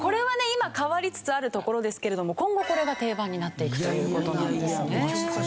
今変わりつつあるところですけれども今後これが定番になっていくという事なんですね。